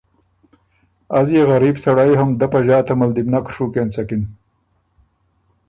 از يې غریب سړئ هوم دۀ په ݫاته م دل يې بو نک ڒُوک اېنڅک۔